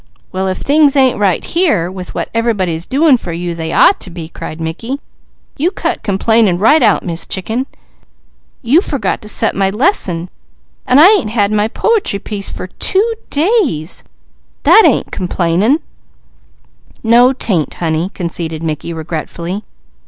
"Well if things ain't right here, with what everybody's doing for you, they ought to be!" cried Mickey. "You cut complaining right out, Miss Chicken!" "You forgot to set my lesson, an' I ain't had my po'try piece for two days. That ain't complainin'." "No 'tain't honey," conceded Mickey regretfully.